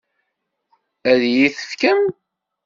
Ad iyi-t-tefkem?